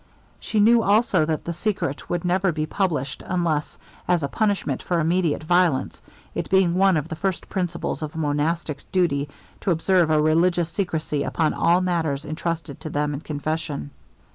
She knew, also, that the secret would never be published, unless as a punishment for immediate violence, it being one of the first principles of monastic duty, to observe a religious secrecy upon all matters entrusted to them in confession.